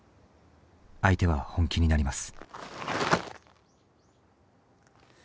相手は本気になります。